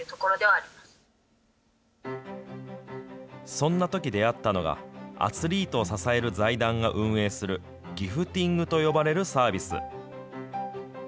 そんなとき出会ったのが、アスリートを支える財団が運営する、ギフティングと呼ばれるサービス。